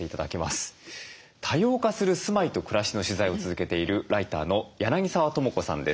多様化する住まいと暮らしの取材を続けているライターの柳澤智子さんです。